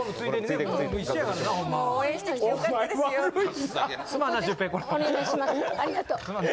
お願いします。